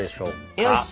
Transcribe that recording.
よし！